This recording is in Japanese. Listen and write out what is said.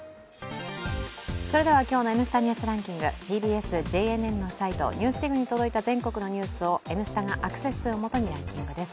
それでは今日の「Ｎスタ・ニュースランキング」ＴＢＳ・ＪＮＮのサイト「ＮＥＷＳＤＩＧ」に届いた全国のニュースを「Ｎスタ」がアクセス数を基にランキングです。